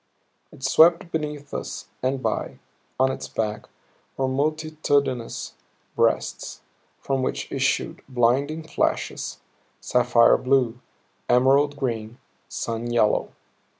It swept beneath us and by. On its back were multitudinous breasts from which issued blinding flashes sapphire blue, emerald green, sun yellow.